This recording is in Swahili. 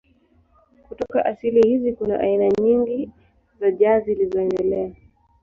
Kutoka asili hizi kuna aina nyingi za jazz zilizoendelea.